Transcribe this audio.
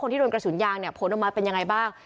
ที่โดนกระสุนยางเนี่ยผลออกมาเป็นยังไงบ้าง